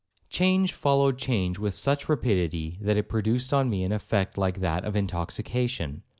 'Change followed change with such rapidity, that it produced on me an effect like that of intoxication.